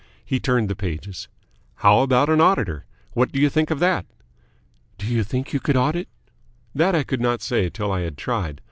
He turned the pages. "How about an Auditor? What do you think of that?" "Do you think you could audit?" "That I could not say till I had tried.